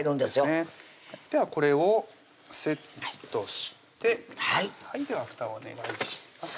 ではこれをセットしてはいではふたをお願いします